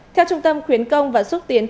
theo trung tâm khuyến công và xuân sách